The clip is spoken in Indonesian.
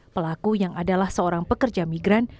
pelaku yang adalah seorang pekerja migran